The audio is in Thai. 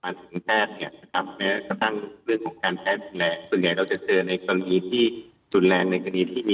นักฐานแพ้ตังค